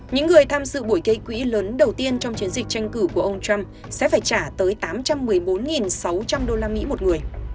những người tham dự buổi gây quỹ lớn đầu tiên trong chiến dịch tranh cử của ông trump sẽ phải trả tới tám trăm một mươi bốn sáu trăm linh usd một người